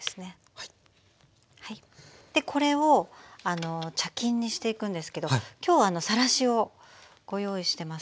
はいでこれを茶巾にしていくんですけど今日はさらしをご用意してます。